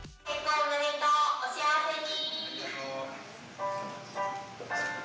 おめでとう、お幸せに！